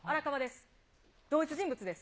同一人物です。